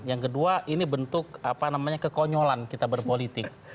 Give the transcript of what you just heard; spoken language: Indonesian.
yang kedua ini bentuk apa namanya kekonyolan kita berpolitik